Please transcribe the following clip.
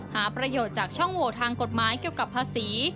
หาประโยชน์จากช่องโหวทางกฎหมายเกี่ยวกับภาษี